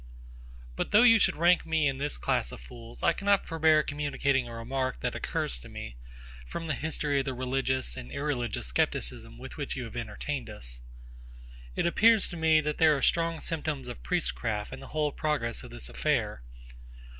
But though you should rank me in this class of fools, I cannot forbear communicating a remark that occurs to me, from the history of the religious and irreligious scepticism with which you have entertained us. It appears to me, that there are strong symptoms of priestcraft in the whole progress of this affair.